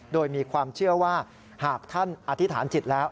โดยมีความเชื่อว่าหากท่านอธิษฐานจิตแล้ว